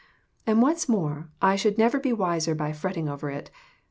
And what's more, I shall never be wiser by fretting over it.